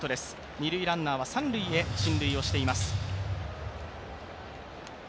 二塁ランナーは三塁へ進塁しています。